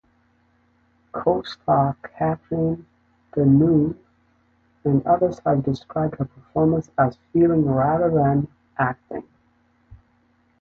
Co-star Catherine Deneuve and others have described her performance as feeling rather than acting.